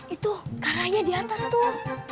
itu kak raya di atas tuh